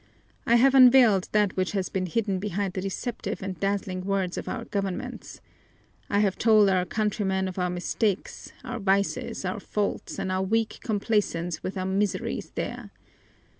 I have unveiled that which has been hidden behind the deceptive and dazzling words of our governments. I have told our countrymen of our mistakes, our vices, our faults, and our weak complaisance with our miseries there.